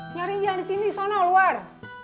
nyariin jangan disini disana luar